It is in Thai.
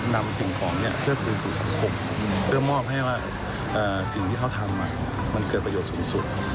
นำสิ่งของเพื่อคืนสู่สังคมเพื่อมอบให้ว่าสิ่งที่เขาทำมันเกิดประโยชน์สูงสุด